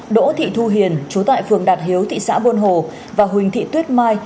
đỗ thị thu hiền chú tại phường đạt hiếu thị xã buôn hồ và huỳnh thị tuyết mai